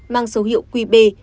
mang số hiệu qb chín trăm ba mươi bốn